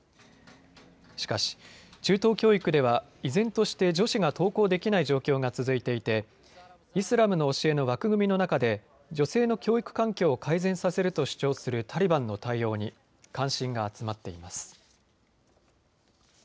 しかし、中等教育では依然として女子が登校できない状況が続いていてイスラムの教えの枠組みの中で女性の教育環境を改善させると主張するタリバンの対応に関心が集まっています。